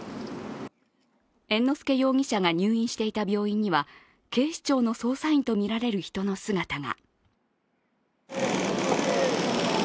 猿之助容疑者が入院していた病院には、警視庁の捜査員とみられる人の姿が。